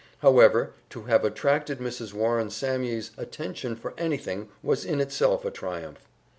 However, to have attracted Mrs. Warring Sammye's attention for anything was in itself a triumph.